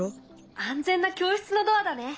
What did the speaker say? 安全な教室のドアだね。